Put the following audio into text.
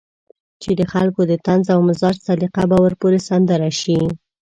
چې د خلکو د طنز او مزاح سليقه به ورپورې سندره شي.